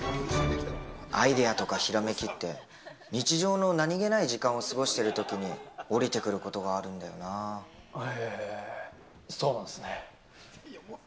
アイデアとかひらめきって、日常の何気ない時間を過ごしてるときに、降りてくることがあるんへえ、そうなんですね。